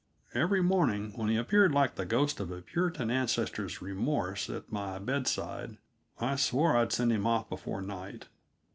Every morning when he appeared like the ghost of a Puritan ancestor's remorse at my bedside, I swore I'd send him off before night.